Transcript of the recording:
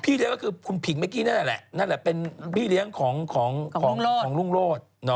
เลี้ยงก็คือคุณผิงเมื่อกี้นั่นแหละนั่นแหละเป็นพี่เลี้ยงของรุ่งโรธ